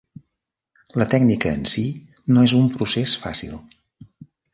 La tècnica en si no és un procés fàcil.